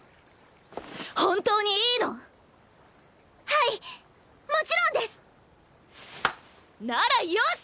本当にいいの⁉はいもちろんです！ならよし！